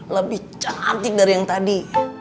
lebih cantik dari yang tadi